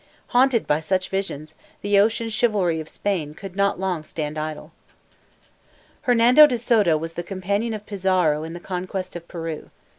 Haunted by such visions, the ocean chivalry of Spain could not long stand idle. Hernando de Soto was the companion of Pizarro in the conquest of Peru.